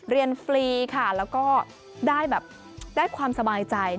เรียนฟรีค่ะแล้วก็ได้ความสบายใจ